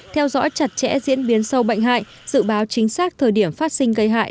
theo dõi chặt chẽ diễn biến sâu bệnh hại dự báo chính xác thời điểm phát sinh gây hại